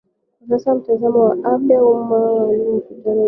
sasa mtazamo wa afya ya ummaMkutano huo maalum uliitishwa na